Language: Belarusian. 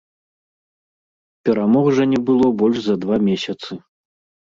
Перамог жа не было больш за два месяцы.